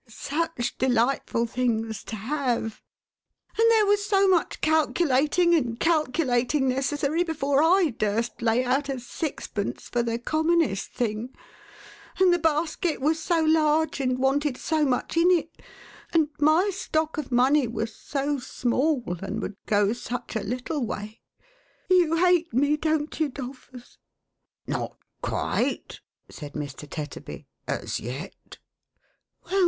461 such delightful things to have— and there was so much calculating and calculating necessary, before I durst lay out a sixpence for the commonest thing; and the basket was so large, and wanted so much in it ; and my stock of money was so small, and would go such a little way; — you hate me, don't you, 'Dolphus?" " Not quite," said Mr. Tetterby, " as yet" " Well